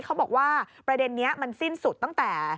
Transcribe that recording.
เขาบอกว่าประเด็นนี้มันสิ้นสุดตั้งแต่